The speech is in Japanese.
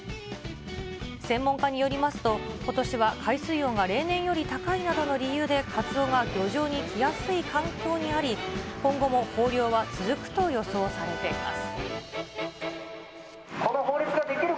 専門家によりますと、ことしは海水温が例年より高いなどの理由で、カツオが漁場に来やすい環境にあり、今後も豊漁は続くと予想されています。